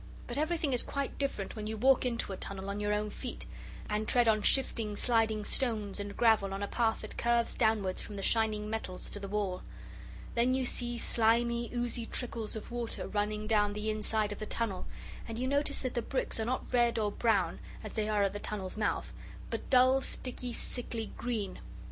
But everything is quite different when you walk into a tunnel on your own feet, and tread on shifting, sliding stones and gravel on a path that curves downwards from the shining metals to the wall. Then you see slimy, oozy trickles of water running down the inside of the tunnel, and you notice that the bricks are not red or brown, as they are at the tunnel's mouth, but dull, sticky, sickly green.